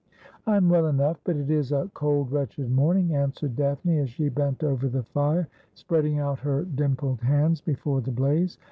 ' I am well enough, but it is a cold wretched morning,' answered Daphne, as she bent over the fire, spreading out her dimpled hands before the blaze.